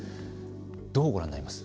どうご覧になります？